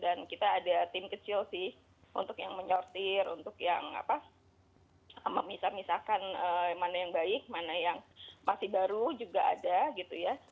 kita ada tim kecil sih untuk yang menyortir untuk yang apa memisah misahkan mana yang baik mana yang masih baru juga ada gitu ya